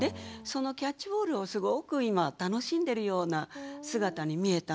そのキャッチボールをすごく今楽しんでるような姿に見えたんですよね。